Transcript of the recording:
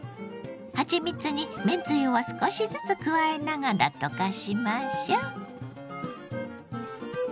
はちみつにめんつゆを少しずつ加えながら溶かしましょう。